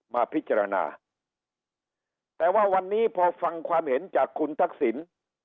มาพิจารณาแต่ว่าวันนี้พอฟังความเห็นจากคุณทักษิณ